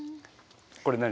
これ何？